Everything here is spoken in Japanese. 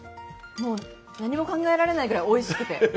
もう何も考えられないぐらいおいしくて。